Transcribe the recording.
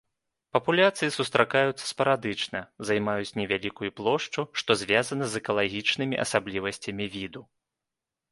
Папуляцыі сустракаюцца спарадычна, займаюць невялікую плошчу, што звязана з экалагічнымі асаблівасцямі віду.